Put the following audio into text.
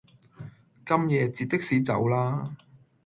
咁夜截的士走啦